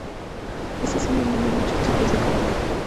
Estas tiendas venden muchos tipos de comida.